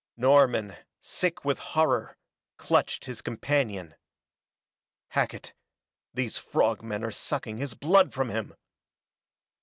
Norman, sick with horror, clutched his companion. "Hackett these frog men are sucking his blood from him!"